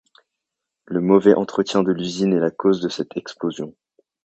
Le mauvais entretien de l'usine est la cause de cette explosion.